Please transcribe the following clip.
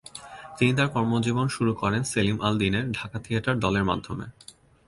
তিনি তার কর্মজীবন শুরু করেন সেলিম আল দীনের "ঢাকা থিয়েটার" দলের মাধ্যমে।